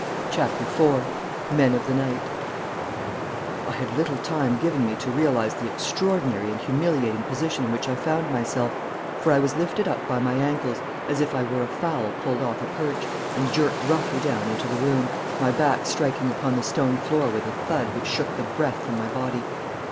CHAPTER IV MEN OF THE NIGHT I had little time given me to realise the extraordinary and humiliating position in which I found myself, for I was lifted up by my ankles, as if I were a fowl pulled off a perch, and jerked roughly down into the room, my back striking upon the stone floor with a thud which shook the breath from my body.